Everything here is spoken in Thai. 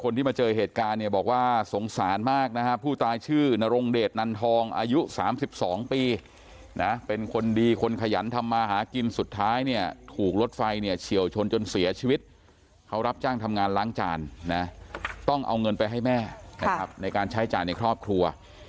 นี่ครับท่านผู้ชายชื่อนรงเดชนันทองอายุ๓๒ปีนะเป็นคนดีคนขยันทำมาหากินสุดท้ายเนี่ยถูกรถไฟเนี่ยเฉี่ยวชนจนเสียชีวิตเขารับจ้างทำงานล้างจานนะต้องเอาเงินไปให้แม่ในการใช้จานในครอบครัว